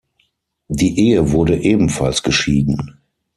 Die Ehe wurde ebenfalls geschieden.